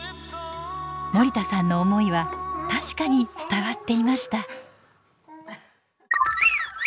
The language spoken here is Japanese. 森田さんの思いは確かに伝わっていました。